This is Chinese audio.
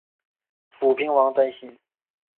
楚平王担心。